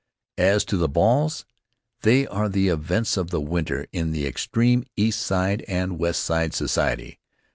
As to the balls, they are the events of the winter in the extreme East Side and West Side society.